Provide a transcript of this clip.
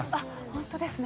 本当ですね。